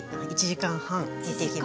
１時間半！